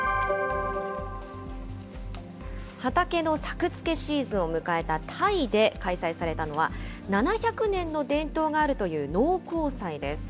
畑の作付けシーズンを迎えたタイで開催されたのは、７００年の伝統があるという農耕祭です。